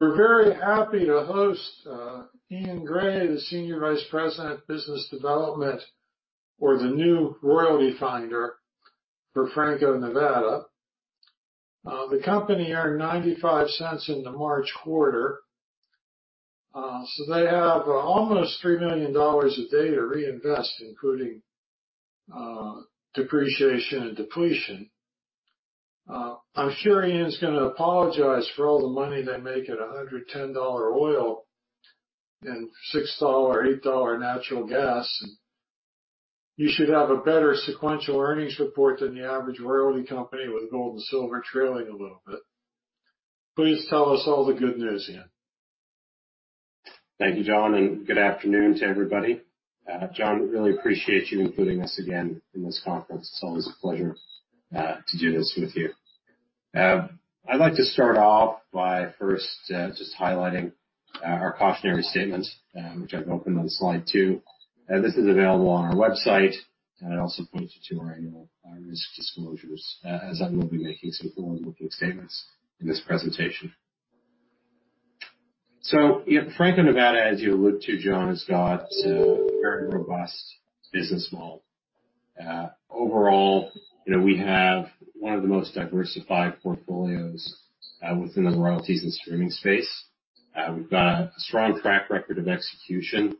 We're very happy to host Eaun Gray, the Senior Vice President of Business Development for the new Royalty Finder for Franco-Nevada. The company earned $0.95 in the March quarter. So they have almost $3 million a day to reinvest, including depreciation and depletion. I'm sure Eaun's gonna apologize for all the money they make at $110 oil and $6-$8 natural gas. You should have a better sequential earnings report than the average royalty company, with gold and silver trailing a little bit. Please tell us all the good news, Eaun. Thank you, John, and good afternoon to everybody. John, really appreciate you including us again in this conference. It's always a pleasure to do this with you. I'd like to start off by first just highlighting our cautionary statement, which I've opened on slide two. This is available on our website, and it also points you to our annual risk disclosures as I will be making some forward-looking statements in this presentation. You know, Franco-Nevada, as you allude to, John, has got a very robust business model. Overall, you know, we have one of the most diversified portfolios within the royalties and streaming space. We've got a strong track record of execution,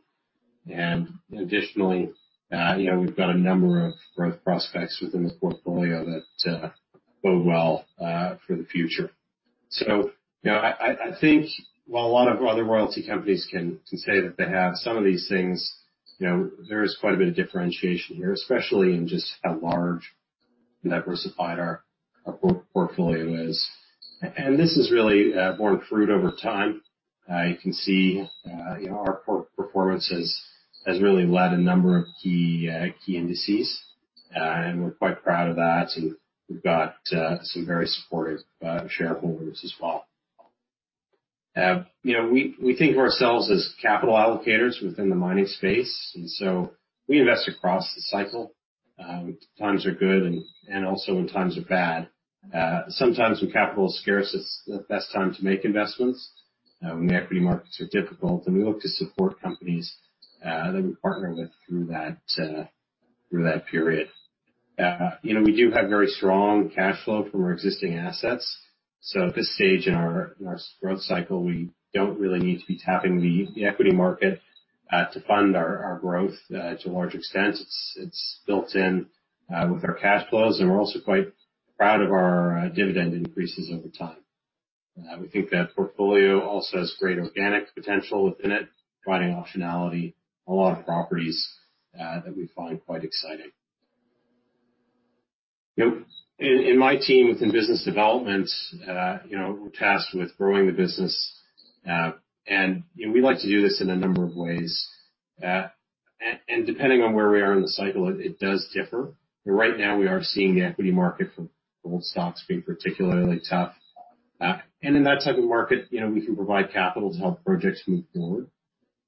and additionally, you know, we've got a number of growth prospects within the portfolio that bode well for the future. You know, I think while a lot of other royalty companies can say that they have some of these things, you know, there is quite a bit of differentiation here, especially in just how large and diversified our portfolio is. This has really borne fruit over time. You can see, you know, our performance has really led a number of key indices. We're quite proud of that, and we've got some very supportive shareholders as well. You know, we think of ourselves as capital allocators within the mining space, and we invest across the cycle, when times are good and also when times are bad. Sometimes when capital is scarce, it's the best time to make investments. When the equity markets are difficult, we look to support companies that we partner with through that period. You know, we do have very strong cash flow from our existing assets, so at this stage in our growth cycle, we don't really need to be tapping the equity market to fund our growth to a large extent. It's built in with our cash flows, and we're also quite proud of our dividend increases over time. We think the portfolio also has great organic potential within it, providing optionality on a lot of properties that we find quite exciting. You know, in my team within business development, you know, we're tasked with growing the business. You know, we like to do this in a number of ways. Depending on where we are in the cycle, it does differ. Right now, we are seeing the equity market for gold stocks being particularly tough. In that type of market, you know, we can provide capital to help projects move forward.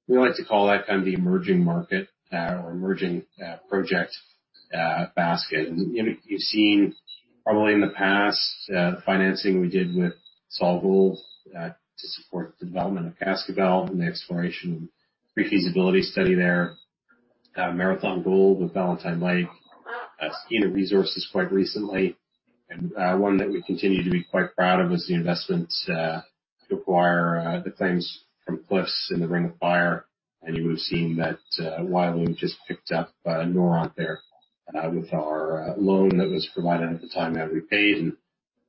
We like to call that kind of the emerging market or emerging project basket. You've seen probably in the past the financing we did with SolGold to support the development of Cascabel and the exploration pre-feasibility study there. Marathon Gold with Valentine Lake. Skeena Resources quite recently. One that we continue to be quite proud of is the investment to acquire the claims from Cliffs in the Ring of Fire. You would have seen that, Wyloo just picked up Noront there, with our loan that was provided at the time, now repaid and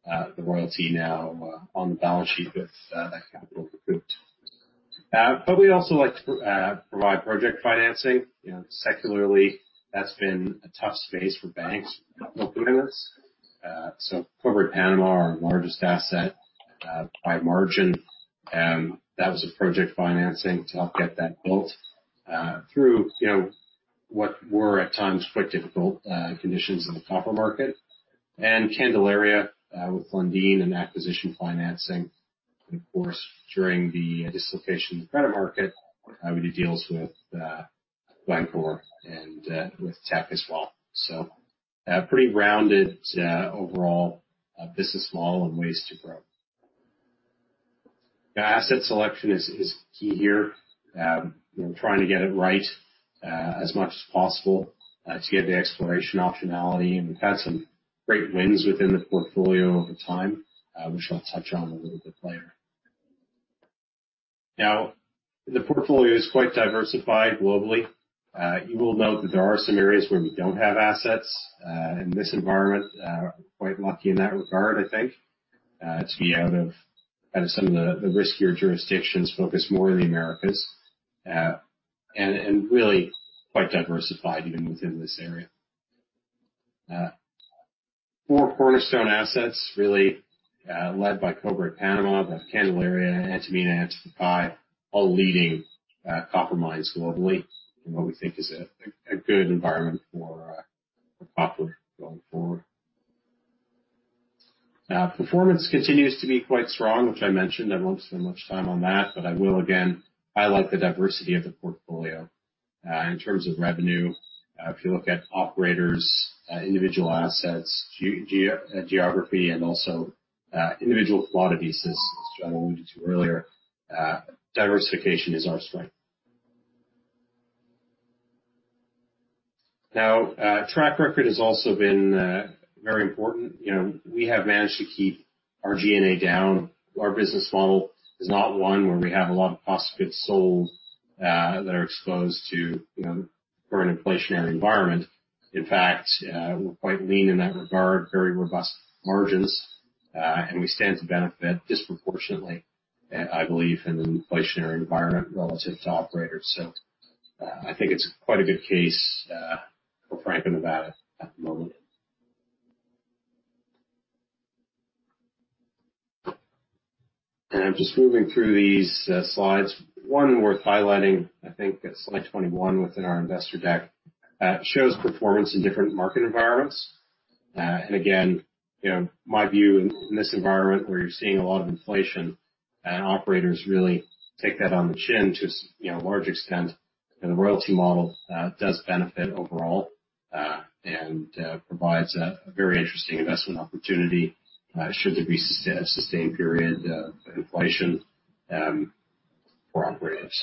the royalty now on the balance sheet with that capital recouped. But we also like to provide project financing. You know, secularly, that's been a tough space for banks, so Cobre Panama, our largest asset by margin, that was a project financing to help get that built, through, you know, what were at times quite difficult conditions in the copper market. Candelaria with Lundin and acquisition financing. Of course, during the dislocation of the credit market, we did deals with Glencore and with Teck as well. A pretty rounded overall business model and ways to grow. Asset selection is key here. You know, trying to get it right as much as possible to get the exploration optionality. We've had some great wins within the portfolio over time, which I'll touch on a little bit later. Now, the portfolio is quite diversified globally. You will note that there are some areas where we don't have assets. In this environment, quite lucky in that regard, I think, to be out of some of the riskier jurisdictions, focused more in the Americas. Really quite diversified even within this area. Four cornerstone assets really led by Cobre Panama, but Candelaria, Antamina, and Antofagasta are leading copper mines globally in what we think is a good environment for copper going forward. Performance continues to be quite strong, which I mentioned. I won't spend much time on that, but I will again highlight the diversity of the portfolio. In terms of revenue, if you look at operators, individual assets, geography, and also individual commodities, as John alluded to earlier, diversification is our strength. Now, track record has also been very important. You know, we have managed to keep our G&A down. Our business model is not one where we have a lot of cost of goods sold that are exposed to, you know, for an inflationary environment. In fact, we're quite lean in that regard, very robust margins, and we stand to benefit disproportionately, I believe in an inflationary environment relative to operators. I think it's quite a good case for Franco-Nevada at the moment. Just moving through these slides, one worth highlighting, I think it's slide 21 within our investor deck, shows performance in different market environments. And again, you know, my view in this environment where you're seeing a lot of inflation and operators really take that on the chin, you know, a large extent, and the royalty model does benefit overall, and provides a very interesting investment opportunity, should there be a sustained period of inflation for operators.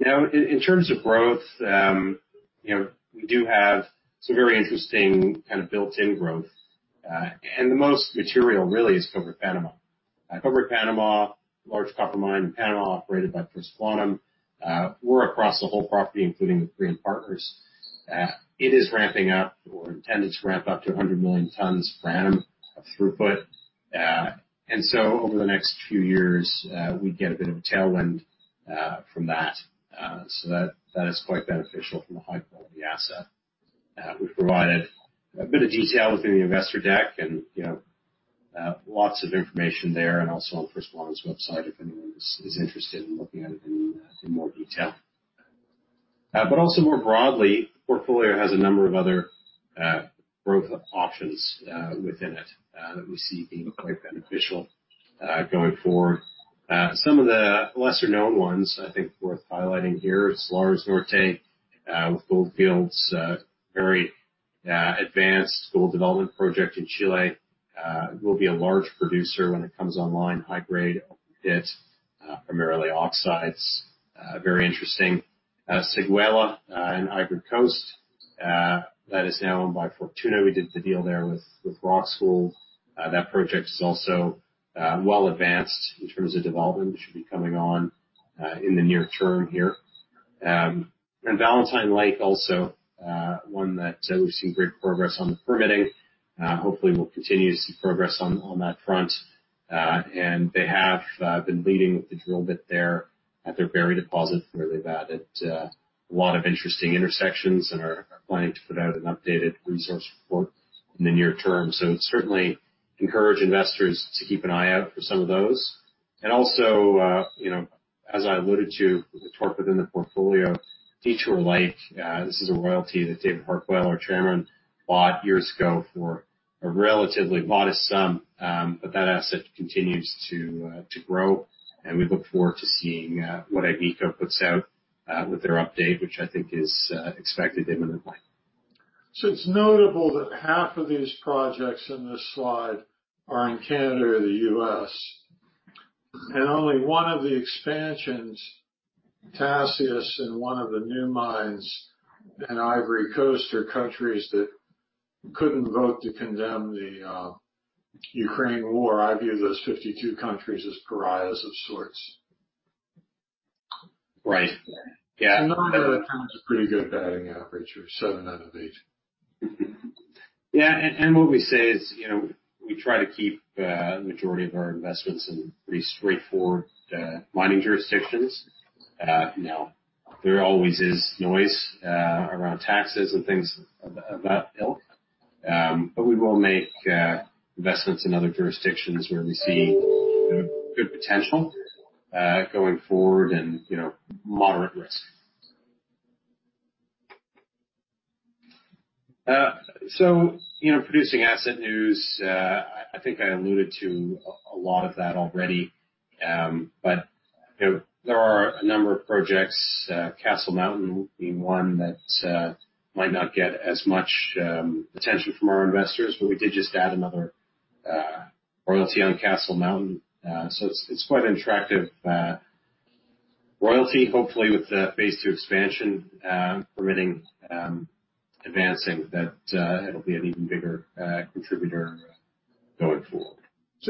Now, in terms of growth, you know, we do have some very interesting kind of built-in growth. And the most material really is Cobre Panama. Cobre Panama, large copper mine in Panama, operated by First Quantum Minerals. We're across the whole property, including with Korean partners. It is ramping up or intended to ramp up to 100 million tons per annum of throughput. Over the next few years, we get a bit of a tailwind from that. That is quite beneficial from a high-quality asset. We've provided a bit of detail within the investor deck and, you know, lots of information there and also on First Quantum's website, if anyone is interested in looking at it in more detail. But also more broadly, the portfolio has a number of other growth options within it that we see being quite beneficial going forward. Some of the lesser-known ones, I think worth highlighting here is Salares Norte with Gold Fields' very advanced gold development project in Chile. Will be a large producer when it comes online. High-grade open pit, primarily oxides. Very interesting. Séguéla, in Côte d'Ivoire, that is now owned by Fortuna. We did the deal there with Roxgold. That project is also well advanced in terms of development. It should be coming on in the near term here. Valentine Lake also one that we've seen great progress on the permitting. Hopefully, we'll continue to see progress on that front. They have been leading with the drill bit there at their Berry deposit, where they've added a lot of interesting intersections and are planning to put out an updated resource report in the near term. Certainly, encourage investors to keep an eye out for some of those. You know, as I alluded to with the torque within the portfolio, Detour Lake, this is a royalty that David Harquail, our Chairman, bought years ago for a relatively modest sum. But that asset continues to grow, and we look forward to seeing what Agnico puts out with their update, which I think is expected imminently. It's notable that half of these projects in this slide are in Canada or the US. Only one of the expansions, Cassius, and one of the new mines in Ivory Coast are countries that couldn't vote to condemn the Ukraine war. I view those 52 countries as pariahs of sorts. Right. Yeah. None of the times are pretty good batting average, or 7 out of 8. Yeah. What we say is, you know, we try to keep majority of our investments in pretty straightforward mining jurisdictions. You know, there always is noise around taxes and things of that ilk. We will make investments in other jurisdictions where we see good potential going forward and, you know, moderate risk. You know, producing asset news, I think I alluded to a lot of that already. You know, there are a number of projects, Castle Mountain being one that might not get as much attention from our investors, but we did just add another royalty on Castle Mountain. It's quite an attractive royalty. Hopefully with the phase two expansion permitting advancing that, it'll be an even bigger contributor going forward.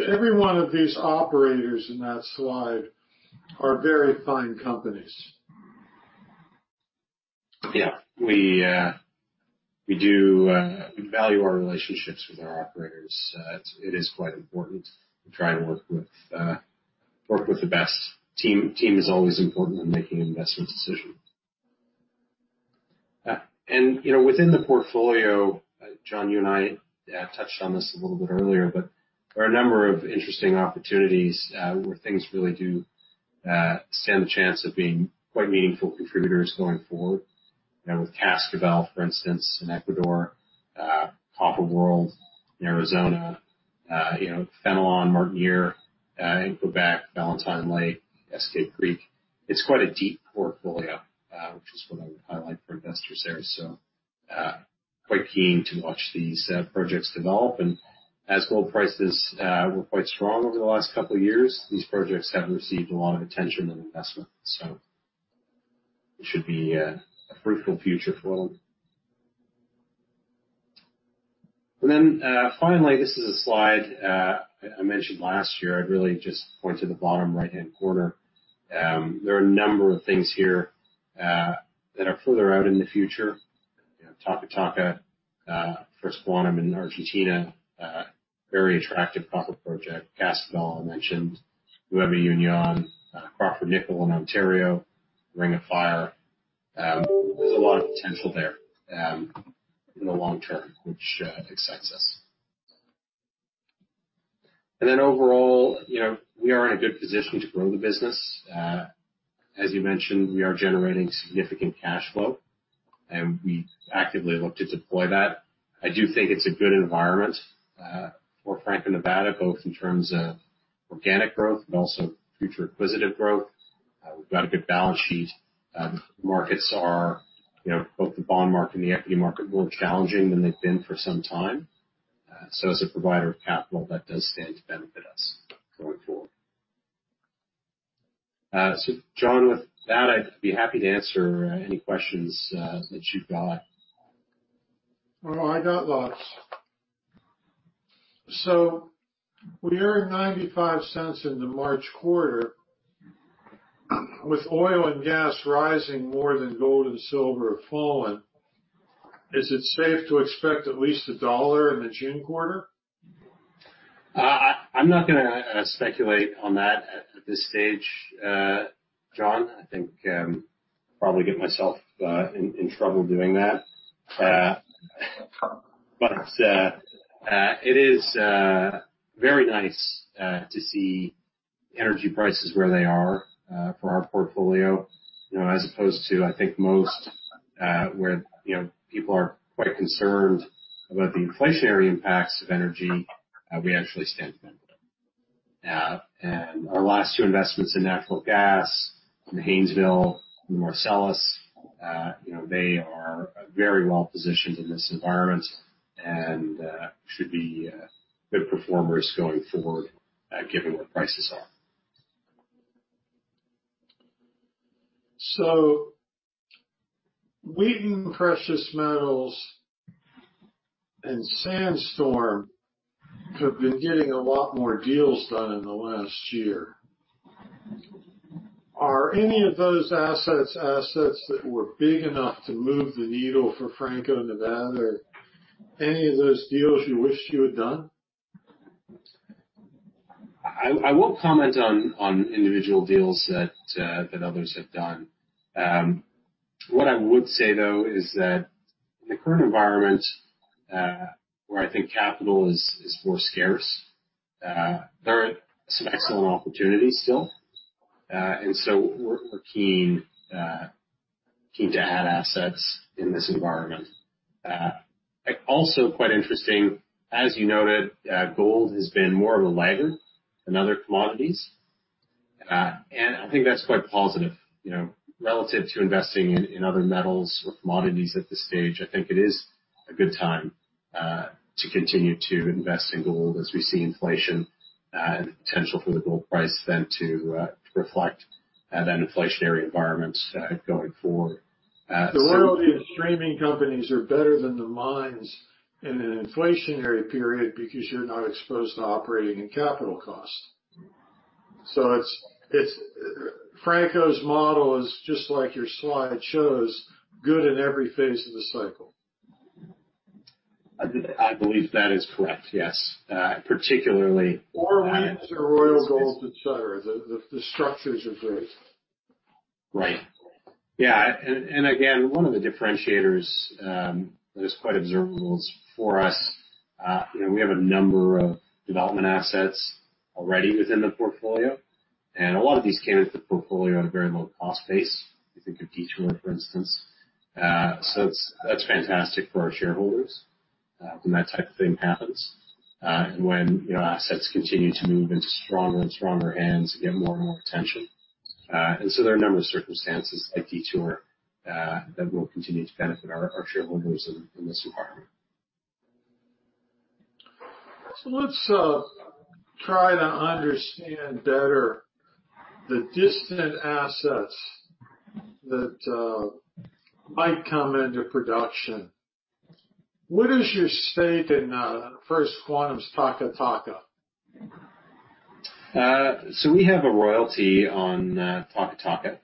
Every one of these operators in that slide are very fine companies. Yeah. We do value our relationships with our operators. It is quite important. We try to work with the best team. Team is always important when making investment decisions. You know, within the portfolio, John, you and I touched on this a little bit earlier, but there are a number of interesting opportunities where things really do stand the chance of being quite meaningful contributors going forward. You know, with Cascabel, for instance, in Ecuador, Copper World in Arizona, you know, Fénelon, Martinière, Inca de Oro, Valentine Lake, Eskay Creek. It's quite a deep portfolio, which is what I would highlight for investors there. Quite keen to watch these projects develop. As gold prices were quite strong over the last couple of years, these projects have received a lot of attention and investment. It should be a fruitful future for them. Finally, this is a slide I mentioned last year. I'd really just point to the bottom right-hand corner. There are a number of things here that are further out in the future. You know, Taca Taca, First Quantum in Argentina, very attractive copper project. Casa Grande I mentioned, NuevaUnión, Crawford Nickel in Ontario, Ring of Fire. There's a lot of potential there in the long term, which excites us. Overall, you know, we are in a good position to grow the business. As you mentioned, we are generating significant cash flow, and we actively look to deploy that. I do think it's a good environment for Franco-Nevada, both in terms of organic growth but also future acquisitive growth. We've got a good balance sheet. Markets are, you know, both the bond market and the equity market, more challenging than they've been for some time. As a provider of capital, that does stand to benefit us going forward. John, with that, I'd be happy to answer any questions that you've got. Oh, I got lots. We earned $0.95 in the March quarter. With oil and gas rising more than gold and silver have fallen, is it safe to expect at least $1 in the June quarter? I'm not gonna speculate on that at this stage, John. I think I'd probably get myself in trouble doing that. It is very nice to see energy prices where they are for our portfolio. You know, as opposed to, I think most where you know people are quite concerned about the inflationary impacts of energy, we actually stand to benefit. Our last two investments in natural gas in Haynesville and Marcellus, you know, they are very well positioned in this environment and should be good performers going forward, given where prices are. Wheaton Precious Metals and Sandstorm have been getting a lot more deals done in the last year. Are any of those assets that were big enough to move the needle for Franco-Nevada? Any of those deals you wish you had done? I won't comment on individual deals that others have done. What I would say, though, is that in the current environment, where I think capital is more scarce, there are some excellent opportunities still. We're keen to add assets in this environment. Also quite interesting, as you noted, gold has been more of a laggard than other commodities. I think that's quite positive. You know, relative to investing in other metals or commodities at this stage, I think it is a good time to continue to invest in gold as we see inflation and the potential for the gold price then to reflect that inflationary environment going forward. The royalty and streaming companies are better than the mines in an inflationary period because you're not exposed to operating and capital costs. Franco's model is just like your slides show, good in every phase of the cycle. I believe that is correct, yes. Particularly, Wheaton or Royal Gold, et cetera. The structures are great. Right. Yeah. Again, one of the differentiators that is quite observable is for us, you know, we have a number of development assets already within the portfolio, and a lot of these came into the portfolio at a very low cost base. You think of Detour, for instance. It's that's fantastic for our shareholders when that type of thing happens, and when, you know, assets continue to move into stronger and stronger hands and get more and more attention. There are a number of circumstances, like Detour, that will continue to benefit our shareholders in this environment. Let's try to understand better the distant assets that might come into production. What is your stake in First Quantum's Taca Taca? We have a royalty on Taca Taca.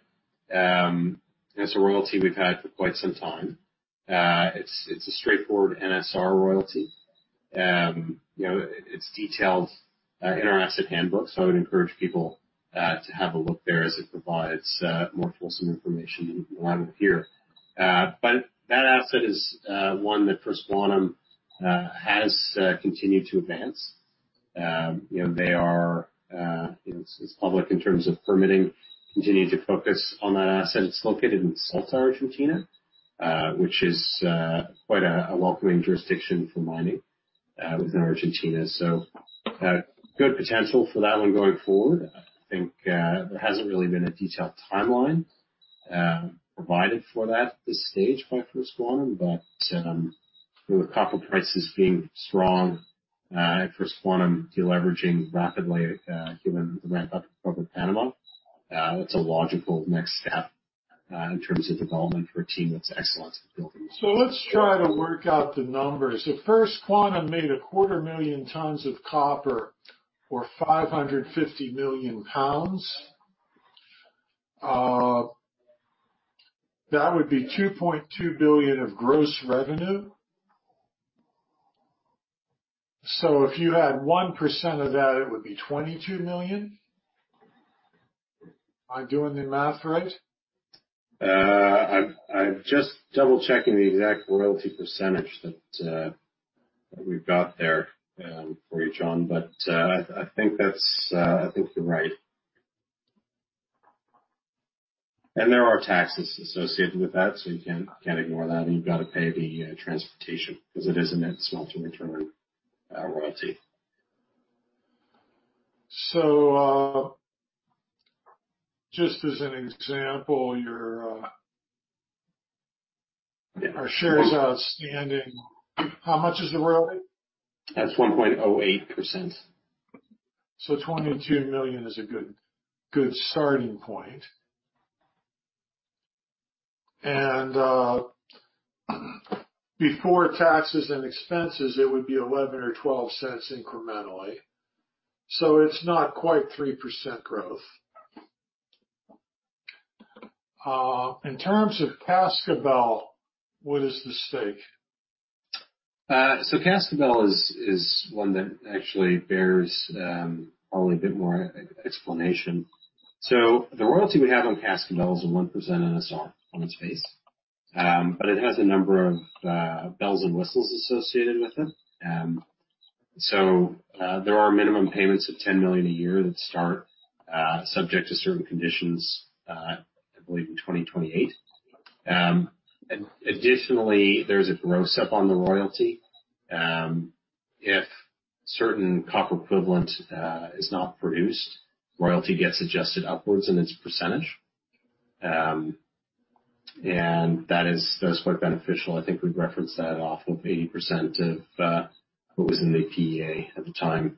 It's a royalty we've had for quite some time. It's a straightforward NSR royalty. You know, it's detailed in our asset handbook, so I would encourage people to have a look there as it provides more fulsome information than what I have here. That asset is one that First Quantum has continued to advance. You know, it's public in terms of permitting, continuing to focus on that asset. It's located in Salta, Argentina, which is quite a welcoming jurisdiction for mining within Argentina. Good potential for that one going forward. I think there hasn't really been a detailed timeline provided for that at this stage by First Quantum, but with copper prices being strong and First Quantum de-leveraging rapidly, given the ramp up of Cobre Panama, it's a logical next step in terms of development for a team with excellence to build. Let's try to work out the numbers. If First Quantum Minerals made a quarter million tons of copper or 550 million pounds, that would be $2.2 billion of gross revenue. If you had 1% of that, it would be $22 million. Am I doing the math right? I'm just double-checking the exact royalty percentage that we've got there for you, John. I think you're right. There are taxes associated with that, so you can't ignore that, and you've got to pay the transportation because it is a net smelter return royalty. Just as an example, Our shares outstanding, how much is the royalty? It's 1.08%. $22 million is a good starting point. Before taxes and expenses, it would be $0.11-$0.12 incrementally. It's not quite 3% growth. In terms of Cascabel, what is the stake? Cascabel is one that actually bears probably a bit more explanation. The royalty we have on Cascabel is 1% NSR on its face. But it has a number of bells and whistles associated with it. There are minimum payments of $10 million a year that start, subject to certain conditions, I believe in 2028. Additionally, there's a gross-up on the royalty. If certain copper equivalent is not produced, royalty gets adjusted upwards in its percentage. And that is quite beneficial. I think we've referenced that off of 80% of what was in the PEA at the time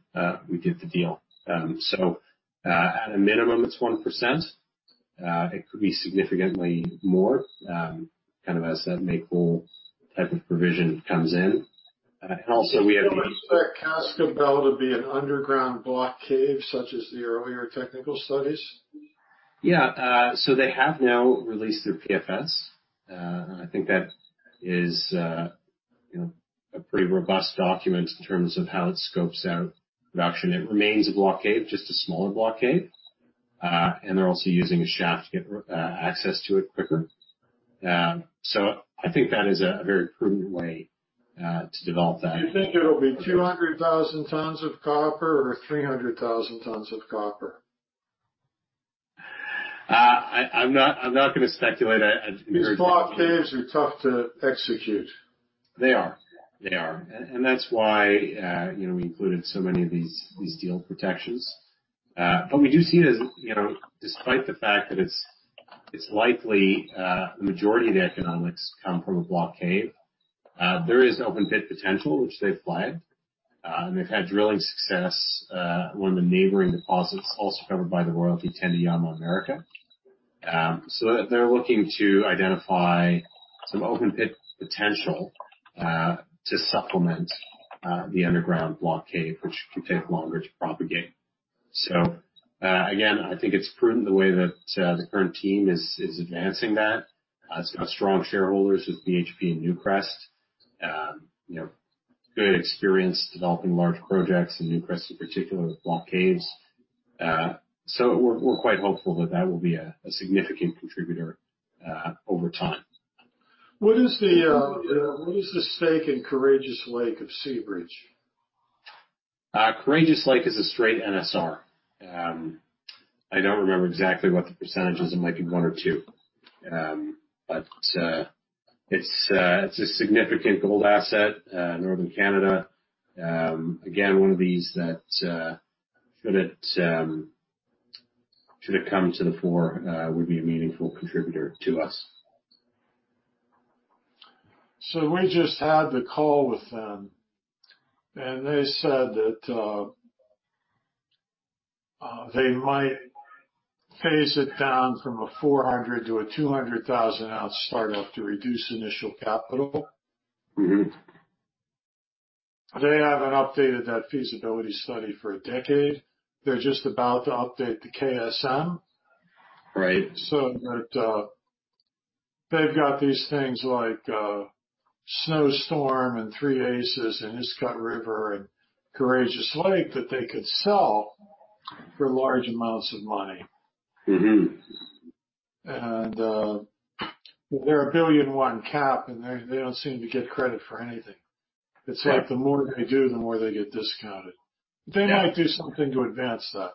we did the deal. At a minimum, it's 1%. It could be significantly more, kind of as that make-whole type of provision comes in. Also, we have- Do you expect Cascabel to be an underground block cave, such as the earlier technical studies? Yeah. They have now released their PFS. I think that is, you know, a pretty robust document in terms of how it scopes out production. It remains a block cave, just a smaller block cave. They're also using a shaft to get access to it quicker. I think that is a very prudent way to develop that. Do you think it'll be 200,000 tons of copper or 300,000 tons of copper? I'm not gonna speculate. I'd encourage. These block caves are tough to execute. They are. That's why, you know, we included so many of these deal protections. We do see it as, you know, despite the fact that it's likely the majority of the economics come from a block cave, there is open pit potential, which they've flagged. They've had drilling success, one of the neighboring deposits also covered by the royalty, Tandayama-America. They're looking to identify some open pit potential to supplement the underground block cave, which can take longer to propagate. Again, I think it's prudent the way that the current team is advancing that. It's got strong shareholders with BHP and Newcrest. You know, good experience developing large projects and Newcrest in particular with block caves. We're quite hopeful that will be a significant contributor over time. What is the stake in Courageous Lake of Seabridge? Courageous Lake is a straight NSR. I don't remember exactly what the percentage is. It might be one or two. It's a significant gold asset, northern Canada. Again, one of these that, should it come to the fore, would be a meaningful contributor to us. We just had the call with them, and they said that they might phase it down from a 400 to a 200,000-ounce start-up to reduce initial capital. They haven't updated that feasibility study for a decade. They're just about to update the KSM. That they've got these things like Snowstorm and Three Aces and Iskut River and Courageous Lake that they could sell for large amounts of money. They're a $1 billion cap, and they don't seem to get credit for anything. It's like the more they do, the more they get discounted. They might do something to advance that.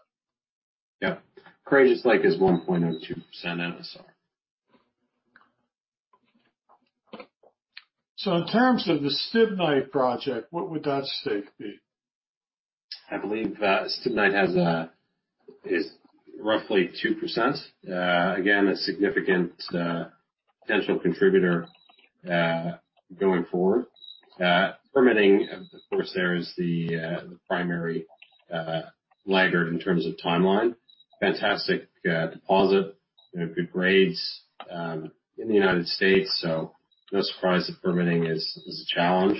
Yeah. Courageous Lake is 1.02% NSR. In terms of the Stibnite project, what would that stake be? I believe that Stibnite is roughly 2%. Again, a significant potential contributor going forward. Permitting, of course, is the primary laggard in terms of timeline. Fantastic deposit, you know, good grades in the United States, so no surprise that permitting is a challenge.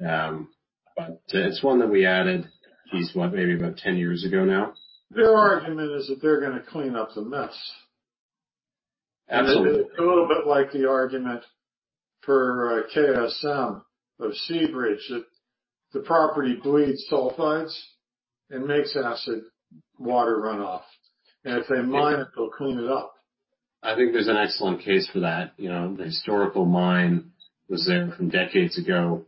But it's one that we added piece, what? Maybe about 10 years ago now. Their argument is that they're gonna clean up the mess. Absolutely. A little bit like the argument for KSM of Seabridge Gold. That the property bleeds sulfides and makes acid water run off. If they mine it, they'll clean it up. I think there's an excellent case for that. You know, the historical mine was there from decades ago.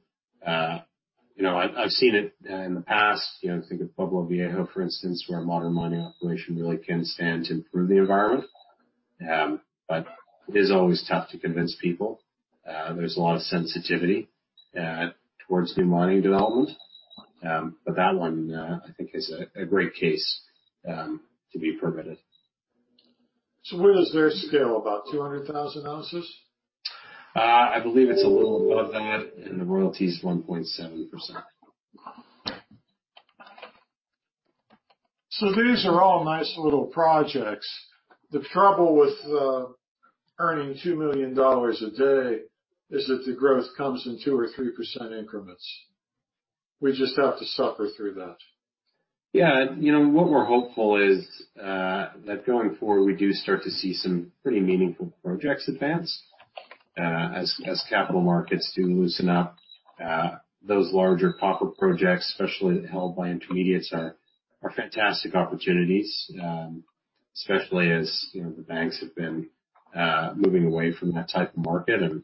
I've seen it in the past, you know, think of Pueblo Viejo, for instance, where a modern mining operation really can stand to improve the environment. It is always tough to convince people. There's a lot of sensitivity towards new mining development. That one, I think is a great case to be permitted. What is their scale? About 200,000 ounces? I believe it's a little above that, and the royalty is 1.7%. These are all nice little projects. The trouble with earning $2 million a day is that the growth comes in 2%-3% increments. We just have to suffer through that. Yeah. You know, what we're hopeful is that going forward, we do start to see some pretty meaningful projects advance as capital markets do loosen up. Those larger copper projects, especially held by intermediates are fantastic opportunities, especially as you know, the banks have been moving away from that type of market. You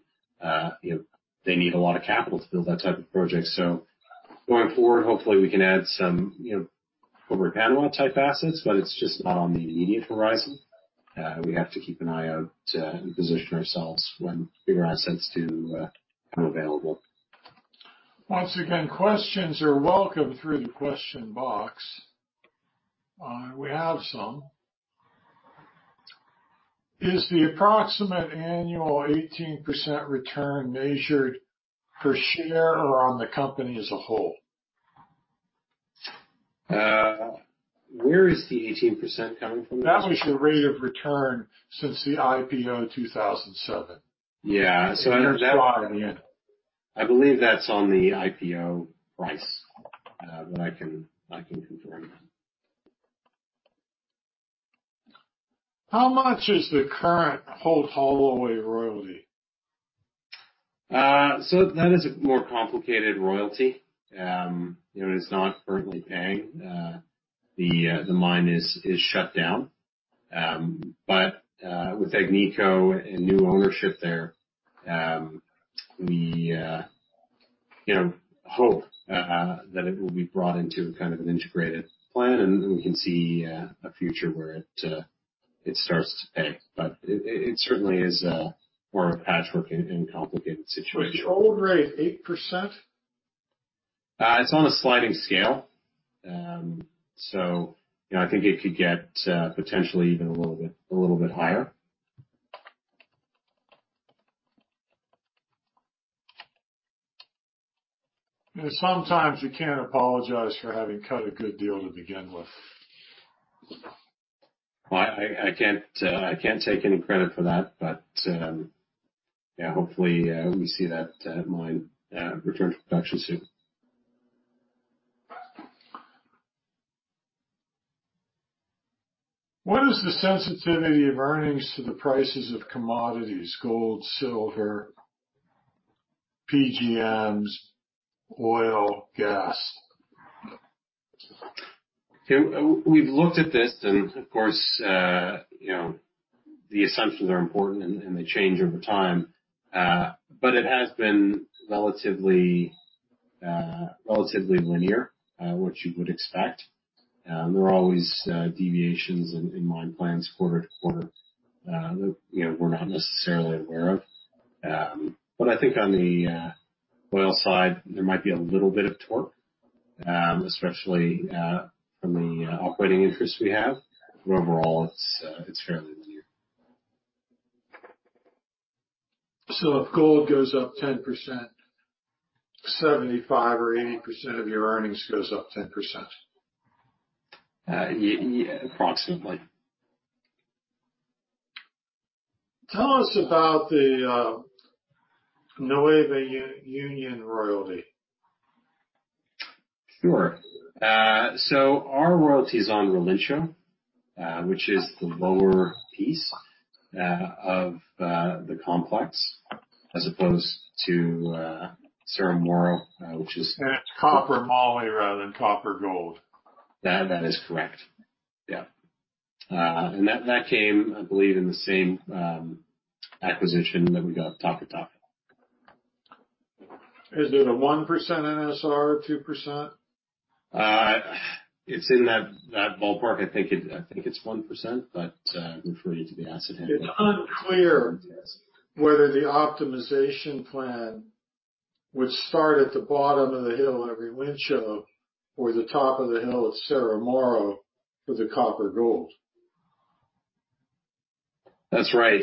know, they need a lot of capital to build that type of project. Going forward, hopefully we can add some you know, former Panama type assets, but it's just not on the immediate horizon. We have to keep an eye out and position ourselves when bigger assets do come available. Once again, questions are welcome through the question box. We have some. Is the approximate annual 18% return measured per share or on the company as a whole? Where is the 18% coming from? That was your rate of return since the IPO in 2007. Yeah. I believe that. In terms of IR, yeah. I believe that's on the IPO price, but I can confirm that. How much is the current Holt-Holloway royalty? That is a more complicated royalty. You know, it's not currently paying. The mine is shut down. With Agnico and new ownership there, we you know hope that it will be brought into kind of an integrated plan, and we can see a future where it starts to pay. It certainly is more of a patchwork and complicated situation. Is the old rate 8%? It's on a sliding scale. You know, I think it could get potentially even a little bit higher. You know, sometimes you can't apologize for having cut a good deal to begin with. Well, I can't take any credit for that. Yeah, hopefully we see that mine return to production soon. What is the sensitivity of earnings to the prices of commodities? Gold, silver, PGMs, oil, gas? You know, we've looked at this, and of course, you know, the assumptions are important and they change over time. It has been relatively linear, which you would expect. There are always deviations in mine plans quarter to quarter that you know, we're not necessarily aware of. I think on the oil side, there might be a little bit of torque, especially from the operating interests we have, but overall, it's fairly linear. If gold goes up 10%, 75% or 80% of your earnings goes up 10%? Approximately. Tell us about the NuevaUnión royalty. Sure. Our royalty is on Relincho, which is the lower piece of the complex, as opposed to Cerro Moro, which is- It's copper moly rather than copper gold. That is correct. Yeah. That came, I believe, in the same acquisition that we got Taca Taca. Is it a 1% NSR, 2%? It's in that ballpark. I think it's 1%, but I refer you to the asset- It's unclear whether the optimization plan would start at the bottom of the hill at Relincho or the top of the hill at Cerro Moro for the copper gold. That's right.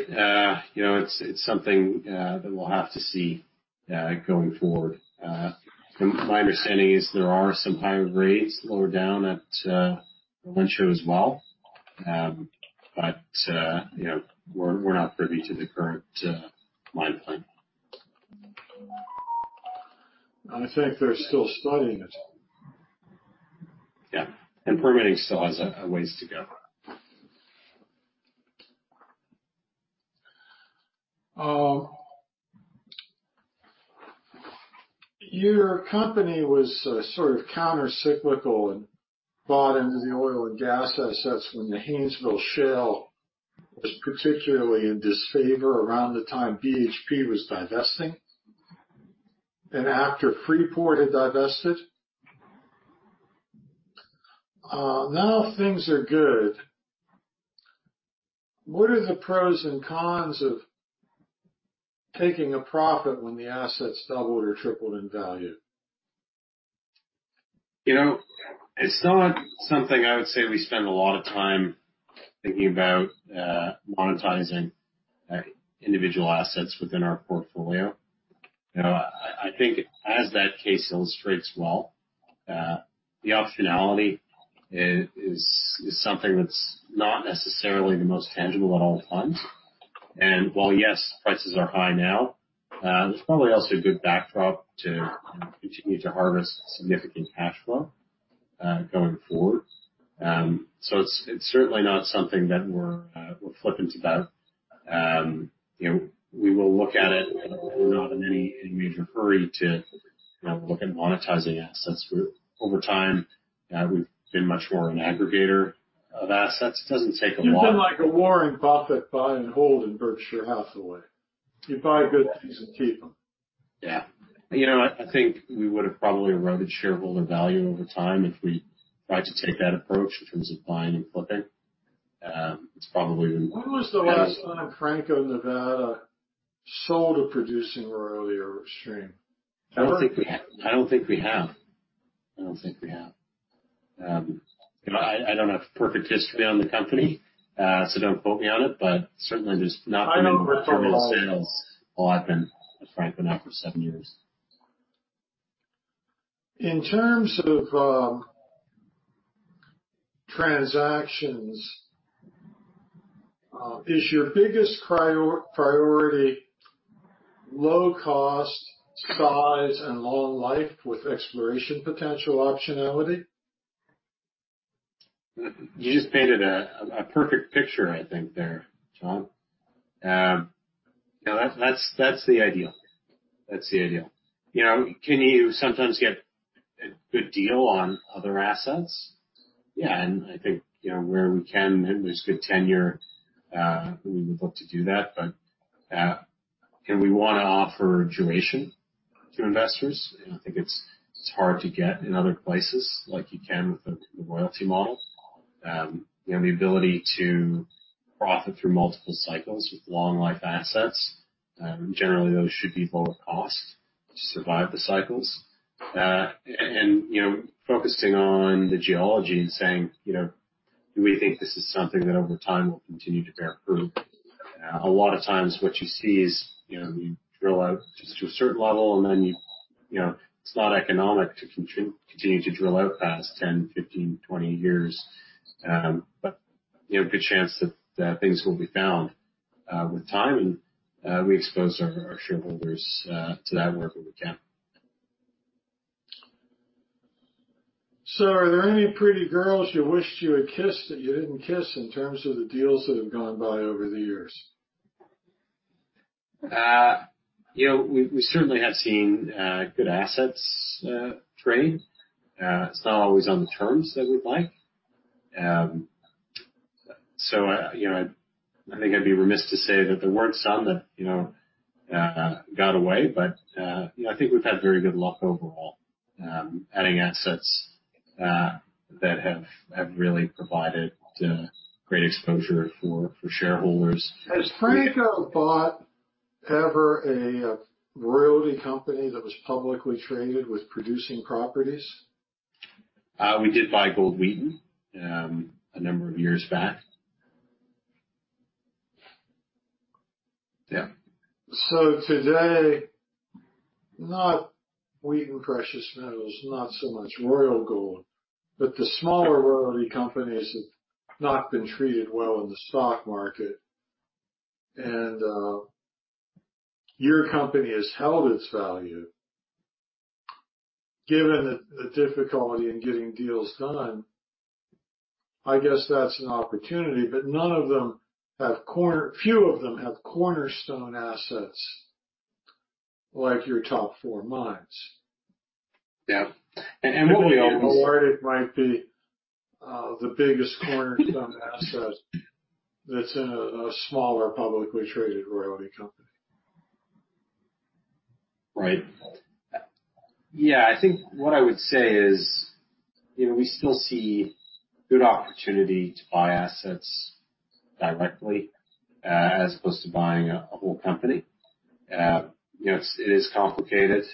You know, it's something that we'll have to see going forward. My understanding is there are some higher grades lower down at the Relincho as well. You know, we're not privy to the current mine plan. I think they're still studying it. Permitting still has a ways to go. Your company was sort of countercyclical and bought into the oil and gas assets when the Haynesville Shale was particularly in disfavor around the time BHP was divesting and after Freeport-McMoRan had divested. Now things are good. What are the pros and cons of taking a profit when the assets doubled or tripled in value? You know, it's not something I would say we spend a lot of time thinking about, monetizing individual assets within our portfolio. You know, I think as that case illustrates well, the optionality is something that's not necessarily the most tangible at all times. While, yes, prices are high now, there's probably also a good backdrop to continue to harvest significant cash flow, going forward. It's certainly not something that we're flippant about. You know, we will look at it. We're not in any major hurry to, you know, look at monetizing assets. Over time, we've been much more an aggregator of assets. It doesn't take a lot You've been like a Warren Buffett buy and hold in Berkshire Hathaway. You buy good pieces and keep them. Yeah. You know what? I think we would have probably eroded shareholder value over time if we tried to take that approach in terms of buying and flipping. When was the last time Franco-Nevada sold a producing royalty or a stream? Ever? I don't think we have. You know, I don't have perfect history on the company, so don't quote me on it, but certainly there's not been any terminal sales while I've been with Franco now for seven years. In terms of transactions, is your biggest priority low cost, size, and long life with exploration potential optionality? You just painted a perfect picture, I think there, John. You know, that's the ideal. You know, can you sometimes get a good deal on other assets? Yeah. I think, you know, where we can, and there's good tenure, we would look to do that. We wanna offer duration to investors, and I think it's hard to get in other places like you can with the royalty model. You know, the ability to profit through multiple cycles with long-life assets, generally those should be lower cost to survive the cycles. You know, focusing on the geology and saying, you know, we think this is something that over time will continue to bear fruit. A lot of times, what you see is, you know, you drill out just to a certain level and then you know, it's not economic to continue to drill out past 10, 15, 20 years. You know, good chance that things will be found with time, and we expose our shareholders to that work when we can. Are there any pretty girls you wished you had kissed that you didn't kiss in terms of the deals that have gone by over the years? You know, we certainly have seen good assets trade. It's not always on the terms that we'd like. You know, I think I'd be remiss to say that there weren't some that, you know, got away. You know, I think we've had very good luck overall adding assets that have really provided great exposure for shareholders. Has Franco-Nevada bought ever a royalty company that was publicly traded with producing properties? We did buy Gold Wheaton, a number of years back. Today, not Wheaton Precious Metals, not so much Royal Gold, but the smaller royalty companies have not been treated well in the stock market. Your company has held its value. Given the difficulty in getting deals done, I guess that's an opportunity, but few of them have cornerstone assets like your top four mines. Yeah. Everybody always. It might be the biggest cornerstone asset that's in a smaller publicly traded royalty company. Right. Yeah, I think what I would say is, you know, we still see good opportunity to buy assets directly, as opposed to buying a whole company. You know, it is complicated.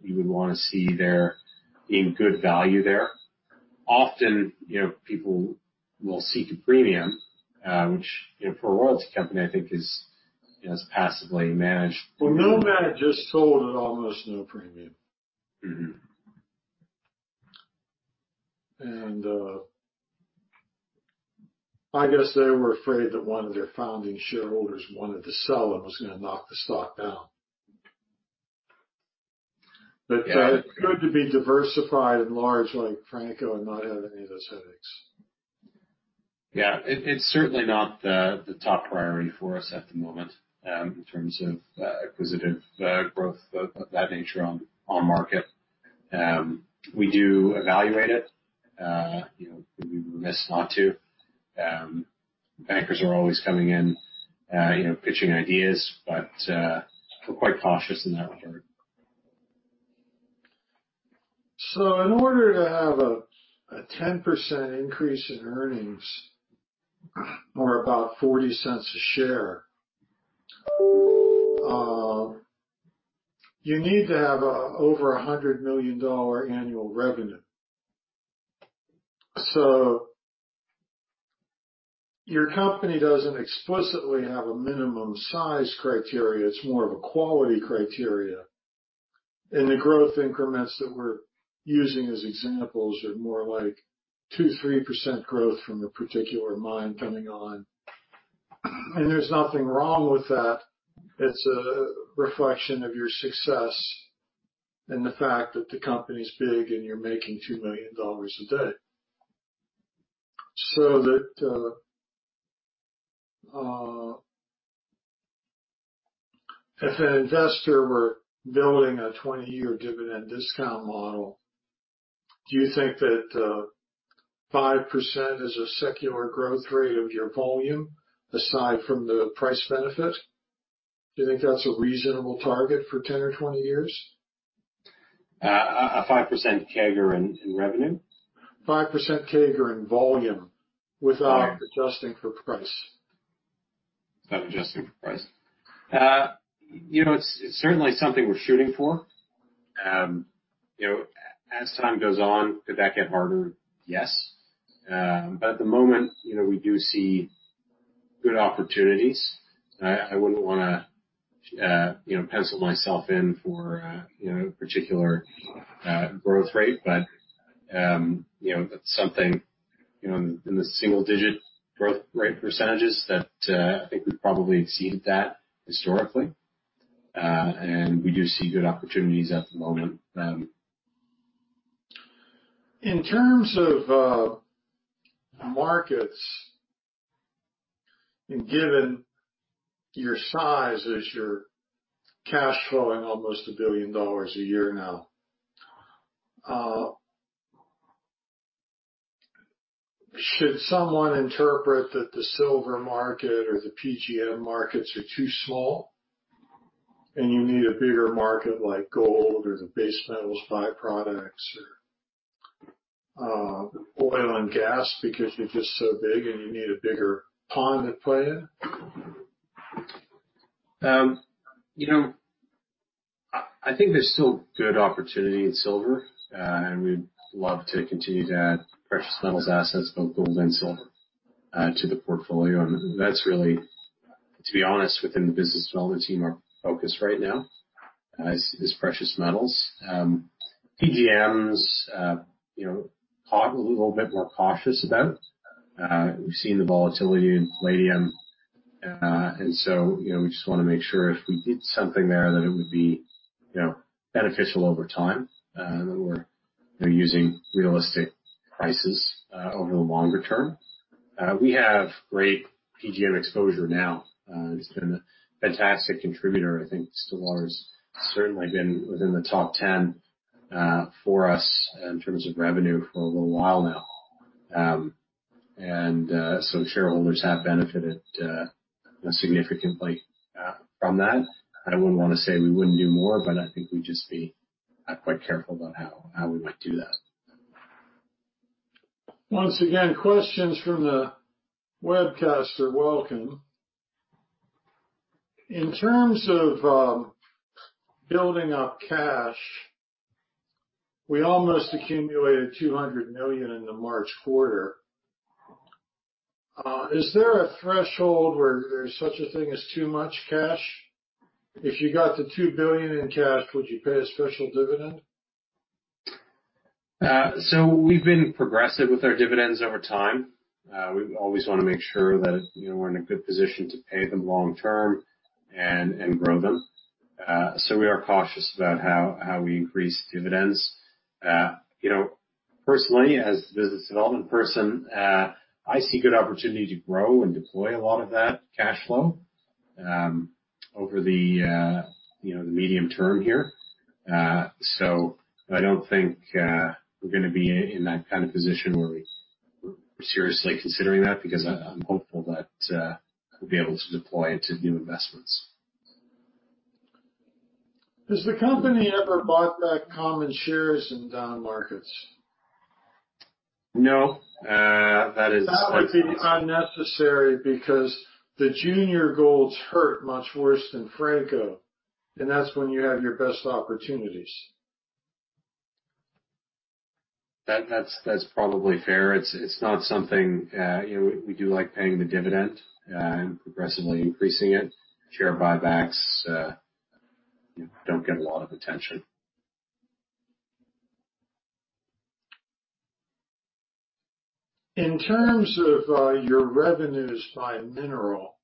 You would wanna see there being good value there. Often, you know, people will seek a premium, which, you know, for a royalty company, I think is passively managed. Well, Wilmar just sold at almost no premium. I guess they were afraid that one of their founding shareholders wanted to sell and was gonna knock the stock down. It's good to be diversified and large like Franco-Nevada and not have any of those headaches. Yeah. It's certainly not the top priority for us at the moment in terms of acquisitive growth of that nature on market. We do evaluate it. You know, we would be remiss not to. Bankers are always coming in, you know, pitching ideas, but we're quite cautious in that regard. In order to have a 10% increase in earnings or about $0.40 a share, you need to have over $100 million annual revenue. Your company doesn't explicitly have a minimum size criteria, it's more of a quality criteria. The growth increments that we're using as examples are more like 2%-3% growth from a particular mine coming on. There's nothing wrong with that. It's a reflection of your success and the fact that the company's big and you're making $2 million a day. If an investor were building a 20-year dividend discount model, do you think that 5% is a secular growth rate of your volume aside from the price benefit? Do you think that's a reasonable target for 10 or 20 years? A 5% CAGR in revenue? 5% CAGR in volume without adjusting for price. Without adjusting for price. You know, it's certainly something we're shooting for. You know, as time goes on, could that get harder? Yes. At the moment, you know, we do see good opportunities. I wouldn't wanna, you know, pencil myself in for, you know, a particular growth rate. You know, that's something, you know, in the single digit growth rate percentages that I think we've probably exceeded that historically. We do see good opportunities at the moment. In terms of markets and given your size as you're cash flowing almost $1 billion a year now, should someone interpret that the silver market or the PGM markets are too small, and you need a bigger market like gold or the base metals byproducts or oil and gas because you're just so big and you need a bigger pond to play in? You know, I think there's still good opportunity in silver. We'd love to continue to add precious metals assets, both gold and silver, to the portfolio. That's really, to be honest, within the business development team, our focus right now is precious metals. PGMs, you know, a little bit more cautious about. We've seen the volatility in palladium. You know, we just wanna make sure if we did something there that it would be, you know, beneficial over time. That we're, you know, using realistic prices over the longer term. We have great PGM exposure now. It's been a fantastic contributor. I think Stillwater's certainly been within the top ten for us in terms of revenue for a little while now. Shareholders have benefited significantly from that. I wouldn't wanna say we wouldn't do more, but I think we'd just be quite careful about how we might do that. Once again, questions from the webcast are welcome. In terms of building up cash, we almost accumulated $200 million in the March quarter. Is there a threshold where there's such a thing as too much cash? If you got to $2 billion in cash, would you pay a special dividend? We've been progressive with our dividends over time. We always wanna make sure that, you know, we're in a good position to pay them long term and grow them. We are cautious about how we increase dividends. You know, personally, as the business development person, I see good opportunity to grow and deploy a lot of that cash flow over the medium term here. I don't think we're gonna be in that kind of position where we're seriously considering that because I'm hopeful that we'll be able to deploy into new investments. Has the company ever bought back common shares in down markets? No. That is That would be unnecessary because the junior golds hurt much worse than Franco, and that's when you have your best opportunities. That's probably fair. It's not something. You know, we do like paying the dividend and progressively increasing it. Share buybacks don't get a lot of attention. In terms of your revenues by mineral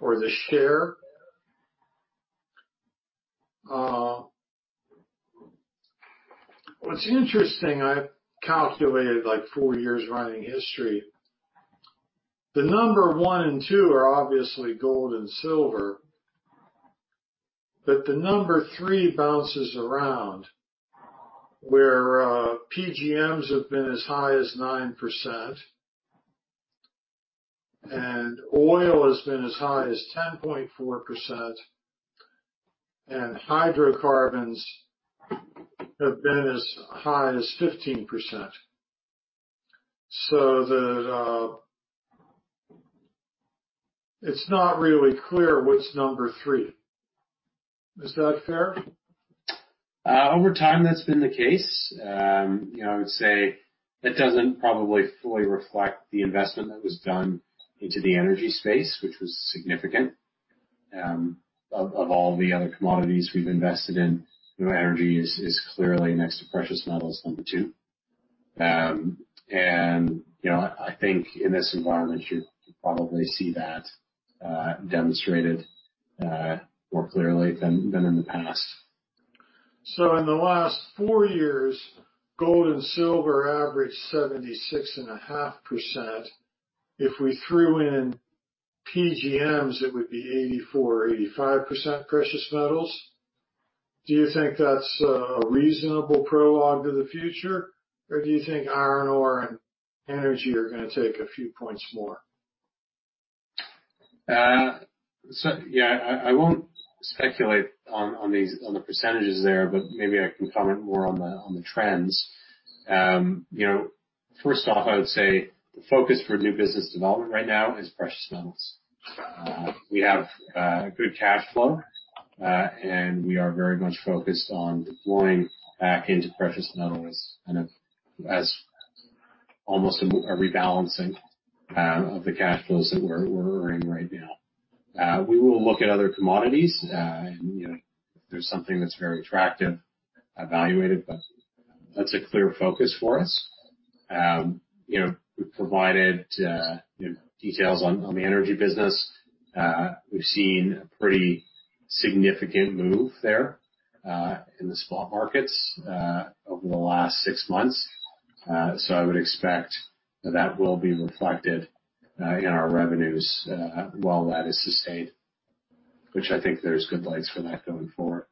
or the share, what's interesting, I've calculated like four years running history. The number one and two are obviously gold and silver, but the number three bounces around where PGMs have been as high as 9%, and oil has been as high as 10.4%, and hydrocarbons have been as high as 15%. It's not really clear what's number three. Is that fair? Over time, that's been the case. You know, I would say that doesn't probably fully reflect the investment that was done into the energy space, which was significant. Of all the other commodities we've invested in, you know, energy is clearly next to precious metals, number two. You know, I think in this environment, you probably see that demonstrated more clearly than in the past. In the last four years, gold and silver averaged 76.5%. If we threw in PGMs, it would be 84% or 85% precious metals. Do you think that's a reasonable prologue to the future, or do you think iron ore and energy are gonna take a few points more? Yeah, I won't speculate on these percentages there, but maybe I can comment more on the trends. You know, first off, I would say the focus for new business development right now is precious metals. We have good cash flow, and we are very much focused on deploying back into precious metals, and as almost a rebalancing of the cash flows that we're earning right now. We will look at other commodities, you know, if there's something that's very attractive, evaluate it, but that's a clear focus for us. You know, we've provided details on the energy business. We've seen a pretty significant move there in the spot markets over the last six months. I would expect that will be reflected in our revenues while that is sustained, which I think there's good likelihood for that going forward.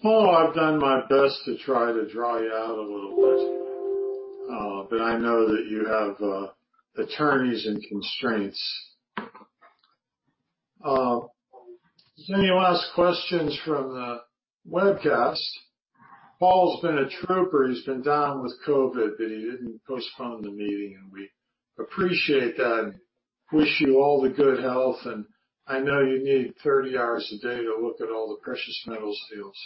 Paul, I've done my best to try to draw you out a little bit. I know that you have attorneys and constraints. Any last questions from the webcast? Paul's been a trooper. He's been down with COVID, but he didn't postpone the meeting, and we appreciate that. Wish you all the good health, and I know you need 30 hours a day to look at all the precious metals deals.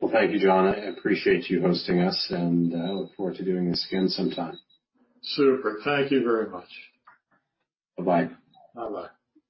Well, thank you, John. I appreciate you hosting us, and I look forward to doing this again sometime. Super. Thank you very much. Bye-bye. Bye-bye.